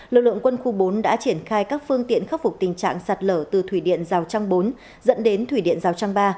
lực lượng quân khu bốn đã triển khai các phương tiện khắc phục tình trạng sạt lở từ thủy điện rào trang bốn dẫn đến thủy điện rào trang ba